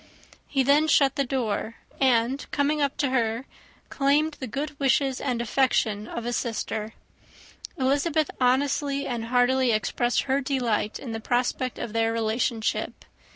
He then shut the door, and, coming up to her, claimed the good wishes and affection of a sister. Elizabeth honestly and heartily expressed her delight in the prospect of their relationship.